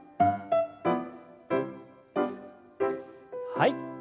はい。